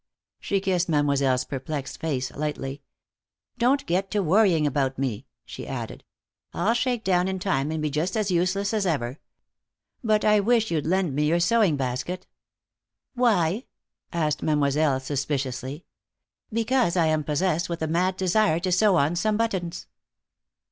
She kissed Mademoiselle's perplexed face lightly. "Don't get to worrying about me," she added. "I'll shake down in time, and be just as useless as ever. But I wish you'd lend me your sewing basket." "Why?" asked Mademoiselle, suspiciously. "Because I am possessed with a mad desire to sew on some buttons."